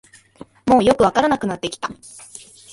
もうよくわからなくなってきた